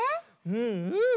うんうん。